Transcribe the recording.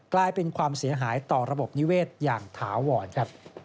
กลายเป็นความเสียหายต่อระบบนิเวศอย่างถาวรครับ